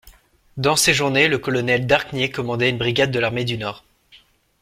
Dans ces journées, le colonel Darqnier commandait une brigade de l'armée du Nord.